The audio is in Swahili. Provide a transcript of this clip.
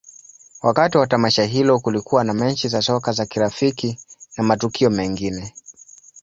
Wakati wa tamasha hilo, kulikuwa na mechi za soka za kirafiki na matukio mengine.